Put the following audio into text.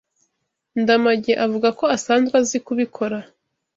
Ndamage avuga ko asanzwe azi kubikora.